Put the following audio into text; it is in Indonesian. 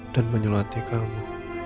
dan menyelati kamu